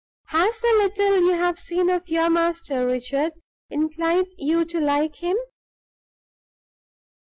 "Has the little you have seen of your master, Richard, inclined you to like him?"